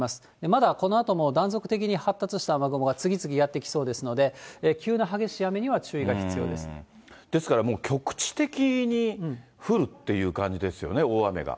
まだこのあとも断続的に発達した雨雲が次々やって来そうですので、ですから、もう局地的に降るっていう感じですよね、大雨が。